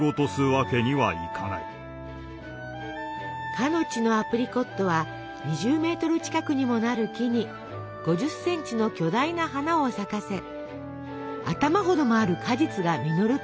かの地のアプリコットは２０メートル近くにもなる木に５０センチの巨大な花を咲かせ頭ほどもある果実が実ると記したデュマ。